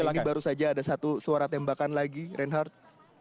ini baru saja ada satu suara tembakan lagi reinhardt